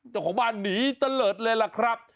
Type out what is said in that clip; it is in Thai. เจ้าของบ้านหนีตะเลิศเลยล่ะครับ